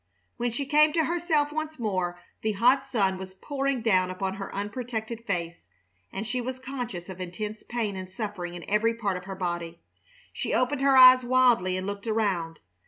When she came to herself once more the hot sun was pouring down upon her unprotected face, and she was conscious of intense pain and suffering in every part of her body. She opened her eyes wildly and looked around.